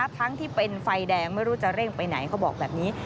ทั้งที่เป็นไฟแดงไม่รู้จะเร่งไปไหนเขาบอกแบบนี้